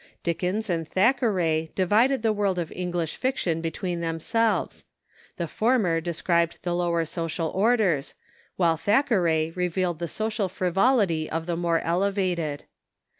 Dickens and Thack eray divided the Avorld of English fiction between themselves. The former described the lower social orders, Avhile Thackeray revealed the social frivolity of the more elevated.